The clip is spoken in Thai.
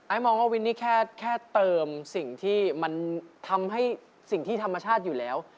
มองว่าวินนี่แค่เติมสิ่งที่มันทำให้สิ่งที่ธรรมชาติอยู่แล้ว